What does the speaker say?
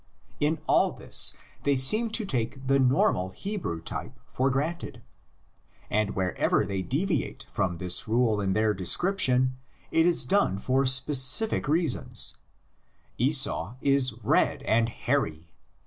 In all this they seem to take the normal Hebrew type for granted. And wherever they deviate from this rule in their description it is done for specific reasons: Esua is red and hairy (xxv.